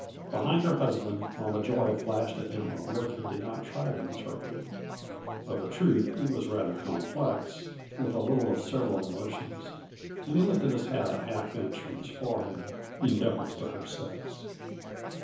Behind her husband, Mama Joy flashed at him a look he did not try to interpret of a truth it was rather complex, with a little of several emotions and he lifted his hat a half inch from his forehead in deference to her sex.